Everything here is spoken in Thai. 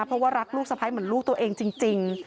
เพราะว่ารักลูกสะพ้ายเหมือนลูกตัวเองจริง